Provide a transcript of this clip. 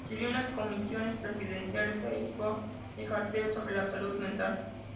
Sirvió en las comisiones presidenciales Eisenhower y Carter sobre salud mental.